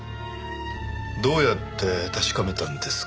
どうやって確かめたんですか？